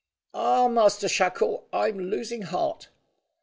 "Ah, Master Shackle, I'm losing heart."